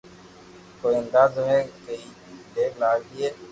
ڪوئي اندازو ھي ڪيتي دير لاگئي